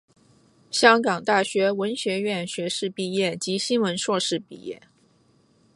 香港大学文学院学士毕业及新闻硕士毕业。